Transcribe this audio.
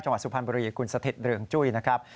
จังหวัดสุพรรณบริกุลสถิตรึงจุ้ยนะครับ